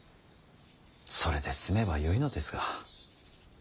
それで済めばよいのですが。